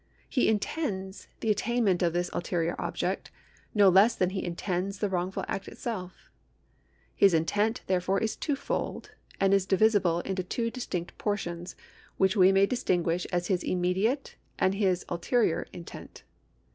He intends the attainment of this ulterior object, no less than he intends the wrongful act itself. His intent, therefore, is twofold, and is divisible into two distinct portions, which we may distin guish as his immediate and his ulterior intent.